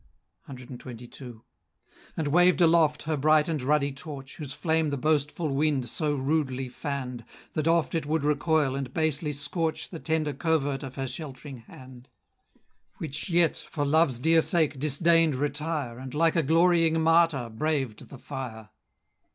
CXXII. And waved aloft her bright and ruddy torch, Whose flame the boastful wind so rudely fann'd, That oft it would recoil, and basely scorch The tender covert of her sheltering hand; Which yet, for Love's dear sake, disdain'd retire, And, like a glorying martyr, braved the fire.